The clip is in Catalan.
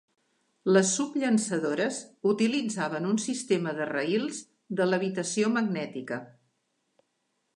Les subllançadores utilitzaven un sistema de rails de levitació magnètica.